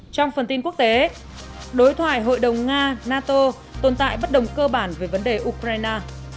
trong phần tin quốc tế đối thoại hội đồng nga nato tồn tại bất đồng cơ bản về vấn đề ukraine